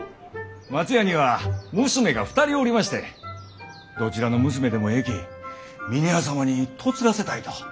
松屋には娘が２人おりましてどちらの娘でもえいき峰屋様に嫁がせたいと。